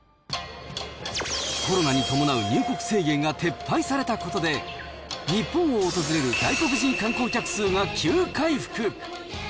コロナに伴う入国制限が撤廃されたことで、日本を訪れる外国人観光客数が急回復。